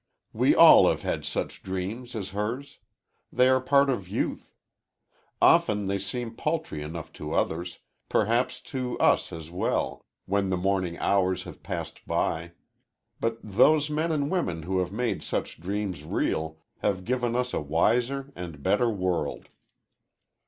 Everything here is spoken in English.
We all have had such dreams as hers. They are a part of youth. Often they seem paltry enough to others perhaps to us, as well, when the morning hours have passed by. But those men and women who have made such dreams real have given us a wiser and better world.